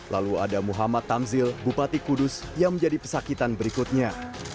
lalu ada muhammad tamzil bupati kudus yang menjadi pesakitan berikutnya